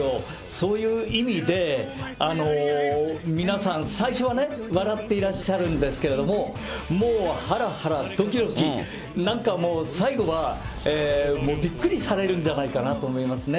そういう意味で、皆さん、最初はね、笑っていらっしゃるんですけども、もうはらはらどきどき、なんかもう、最後はびっくりされるんじゃないかと思いますね。